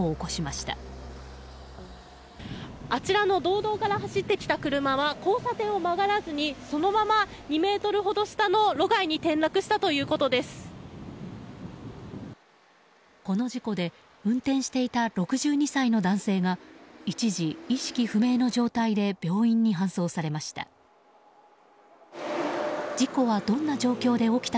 この事故で運転していた６２歳の男性が一時、意識不明の状態で病院に搬送されました。